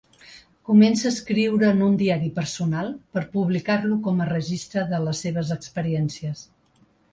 Comença a escriure en un diari personal per publicar-lo com a registre de les seves experiències.